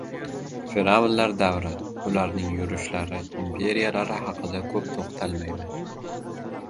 Fir’avnlar davri, ularning yurishlari, imperiyalari haqida ko‘p to‘xtalmayman…